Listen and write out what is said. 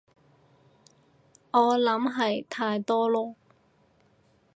我諗係太多囉